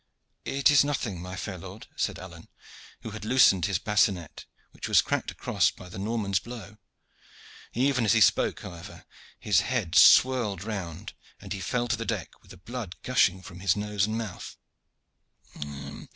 "It is nothing, my fair lord," said Alleyne, who had now loosened his bassinet, which was cracked across by the Norman's blow. Even as he spoke, however, his head swirled round, and he fell to the deck with the blood gushing from his nose and mouth.